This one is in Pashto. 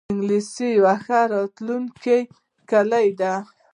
انګلیسي د یوی ښه راتلونکې کلۍ ده